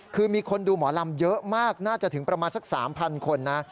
คือมีคนดูหมอลำเยอะมากน่าจะถึงประมาณสัก๓๐๐คนนะ